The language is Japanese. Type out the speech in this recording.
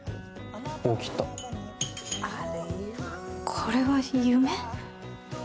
これは夢？